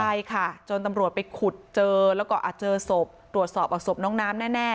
ใช่ค่ะจนตำรวจไปขุดเจอแล้วก็อาจเจอศพตรวจสอบเอาศพน้องน้ำแน่